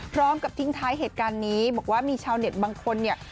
พร้อมกับทิ้งท้ายเหตุการณ์นี้บอกว่ามีชาวเน็ตบางคนเนี่ย